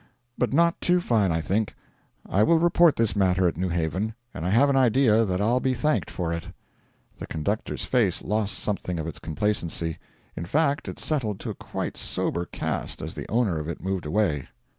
'But not too fine, I think. I will report this matter at New Haven, and I have an idea that I'll be thanked for it.' The conductor's face lost something of its complacency; in fact, it settled to a quite sober cast as the owner of it moved away.